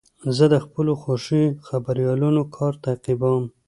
زه د خپلو خوښې خبریالانو کار تعقیبوم.